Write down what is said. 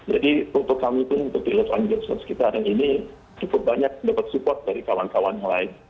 jadi untuk kami pun untuk pilihan kita dan ini cukup banyak mendapat support dari kawan kawan yang lain